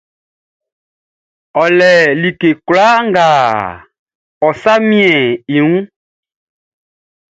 Ɔ le like kwlaa nga ɔ sa miɛn i wunʼn.